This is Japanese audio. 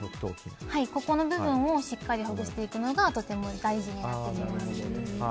この部分をしっかりほぐしていくのがとても大事になってきます。